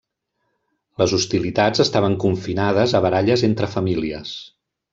Les hostilitats estaven confinades a baralles entre famílies.